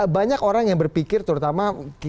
banyak orang yang berpikir terutama